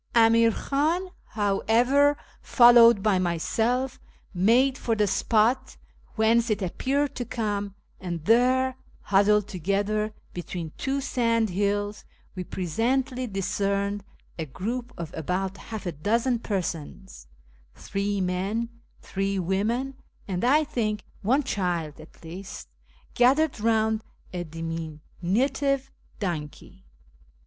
Amir Khan, however, followed by myself, made for the spot whence it appeared to come, and there, huddled together be tween two sandhills, we presently discerned a group of about half a dozen persons (three men, three women, and, I think, one child at least) gathered round a diminutive donkey.